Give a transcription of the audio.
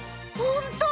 ホント！